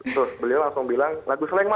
terus beliau langsung bilang lagu sleng mas